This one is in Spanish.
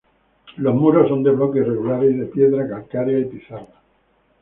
Los muros son de bloques irregulares de piedra calcárea y pizarra.